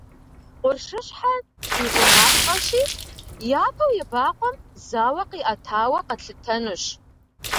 Къуршыщхьэр ди гъунапкъэщи, япэу ебакъуэм зауэ къиӏэтауэ къэтлъытэнущ.